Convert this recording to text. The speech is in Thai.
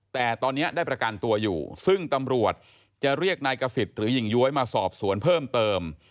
แต่ตอนนี้ได้ประกันตัวอยู่ซึ่งตำรวจจะเรียกนายกษิตหรือหญิงย้วยมาสอบสวนเพิ่มเติม